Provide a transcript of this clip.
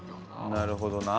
なるほどな。